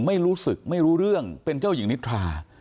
ไม่รู้สึกไม่รู้เรื่องเป็นเจ้าหญิงนิทรา